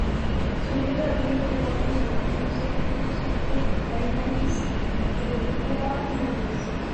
Ce lieu abrite aujourd'hui un musée consacré à l'humaniste et au courant humaniste.